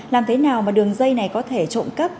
làm thế nào mà đường dây này có thể trộm cắp